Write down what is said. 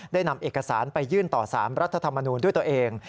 ได้นำเอกสารไปยื่นต่อ๓รัฐธรรมนูลด้วยตัวเอง